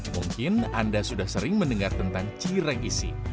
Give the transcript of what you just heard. mungkin anda sudah sering mendengar tentang cireng isi